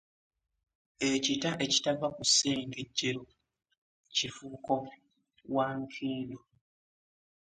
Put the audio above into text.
Ekita ekitava ku ssengejjero kifuuko wa nkindo.